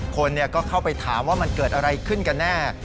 คนก็เข้าไปถามว่ามันเกิดอะไรขึ้นกันแน่